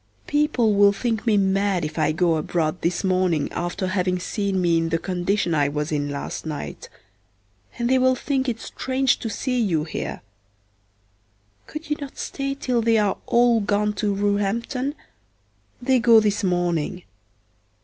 People will think me mad if I go abroad this morning after having seen me in the condition I was in last night, and they will think it strange to see you here. Could you not stay till they are all gone to Roehampton? they go this morning.